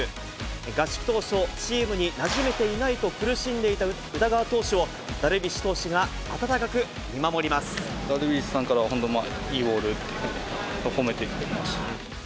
合宿当初、チームになじめていないと苦しんでいた宇田川投手を、ダルビッシダルビッシュさんからは、本当、いいボールと褒めていただきました。